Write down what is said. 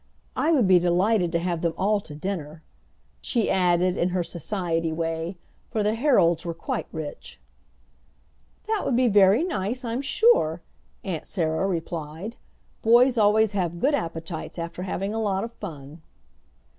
"I would be delighted to have them all to dinner," she added, in her society way, for the Herolds were quite rich. "That would be very nice, I'm sure," Aunt Sarah replied; "boys always have good appetites after having a lot of fun."